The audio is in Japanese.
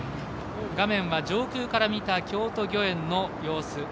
画面は上空から見た京都御苑の様子。